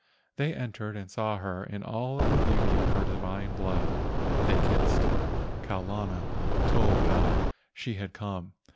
They entered and saw her in all the beauty of her high divine blood. They kissed. Kau lana told how she had come.